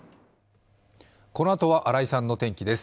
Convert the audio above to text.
このあとは新井さんの天気です。